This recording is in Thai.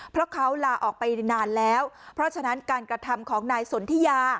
เพราะเขาลาออกไปนานแล้วเพราะฉะนั้นการกระทำของนายสนทิยา